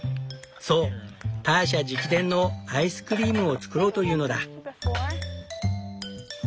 そうターシャ直伝のアイスクリームを作ろうというのだ。